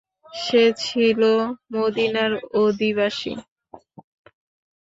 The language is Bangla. সে ছিল মদীনার অধিবাসী।